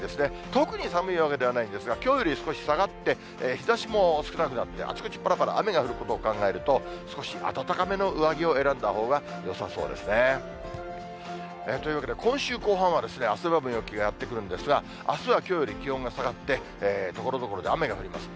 特に寒いわけではないんですが、きょうより少し下がって、日ざしも少なくなって、あちこちぱらぱら雨が降ることを考えると、少し暖かめの上着を選んだほうがよさそうですね。というわけで、今週後半は汗ばむ陽気がやって来るんですが、あすはきょうより気温が下がって、ところどころで雨が降ります。